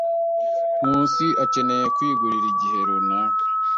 Nkusi akeneye kwigurira igihe runaka.